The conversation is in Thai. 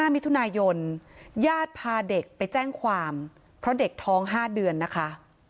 มิถุนายนญาติพาเด็กไปแจ้งความเพราะเด็กท้อง๕เดือนนะคะ